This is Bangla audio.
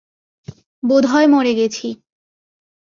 বোধহয় মরে গেছি।